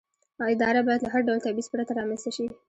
اداره باید له هر ډول تبعیض پرته رامنځته شي.